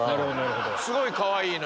すごいかわいいの！